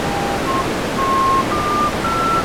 你有一張新訂單呀